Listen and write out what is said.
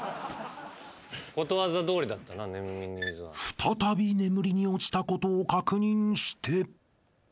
［再び眠りに落ちたことを確認して］